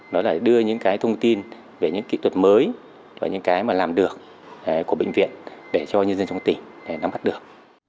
đó là đưa những cái thông tin về những kỹ thuật mới và những cái mà làm được của bệnh viện để cho nhân dân trong tỉnh nắm bắt được